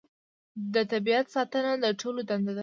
د طبیعت ساتنه د ټولو دنده ده